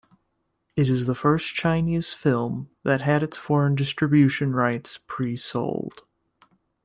It is the first Chinese film that had its foreign distribution rights pre-sold.